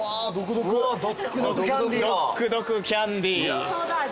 ドックドク★キャンディだ。